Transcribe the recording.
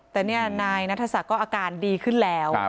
แต่นี่นายนัทศักดิ์ก็อาการดีขึ้นแล้ว